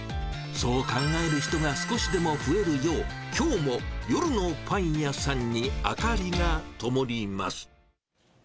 そう考える人が少しでも増えるよう、きょうも夜のパン屋さんに明かりがともります。